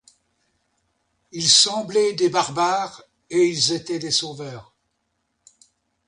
Ils semblaient des barbares et ils étaient des sauveurs.